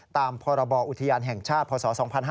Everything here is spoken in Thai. ตามพรบอุทยานแห่งชาติพศ๒๕๕๙